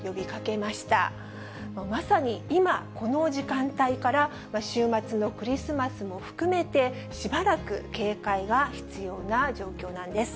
まさに今、この時間帯から、週末のクリスマスも含めて、しばらく警戒が必要な状況なんです。